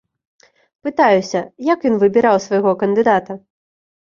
Пытаюся, як ён выбіраў свайго кандыдата?